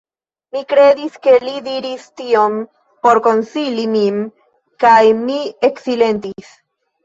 Mi kredis, ke li diris tion por konsoli min kaj mi eksilentis.